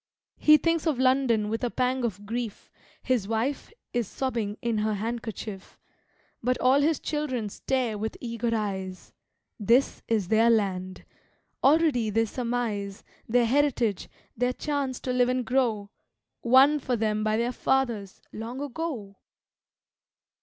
He thinks of London with a pang of grief; His wife is sobbing in her handkerchief. But all his children stare with eager eyes. This is their land. Already they surmise Their heritage, their chance to live and grow, Won for them by their fathers, long ago!